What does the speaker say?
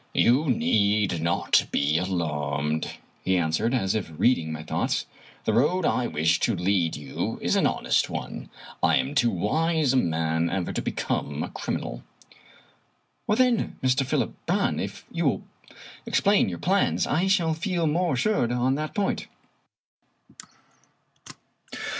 " You need not be alarmed," he answered, as if reading my thoughts. " The road I wish to lead you is an honest one. I am too wise a man ever to become a criminal." " Then, Mr. Philip Brann, if you will explain your plans I shall feel more assured on that point."